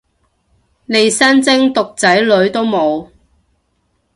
利申真毒仔女都冇